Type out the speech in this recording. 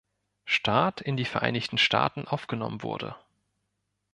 Staat in die Vereinigten Staaten aufgenommen wurde.